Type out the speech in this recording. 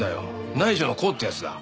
内助の功ってやつだ。